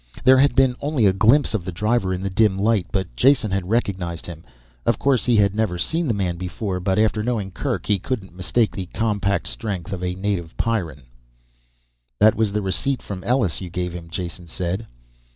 There had been only a glimpse of the driver in the dim light, but Jason had recognized him. Of course he had never seen the man before, but after knowing Kerk he couldn't mistake the compact strength of a native Pyrran. "That was the receipt from Ellus you gave him," Jason said.